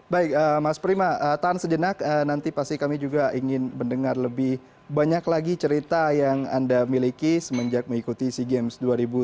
baik mas prima tahan sejenak nanti pasti kami juga ingin mendengar lebih banyak lagi cerita yang anda miliki semenjak mengikuti sea games dua ribu sembilan belas